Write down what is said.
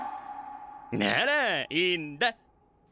ならいいんだっ。